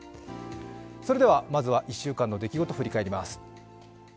それではまずは１週間の出来事振り返ります。